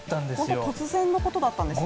本当、突然のことだったんですよね。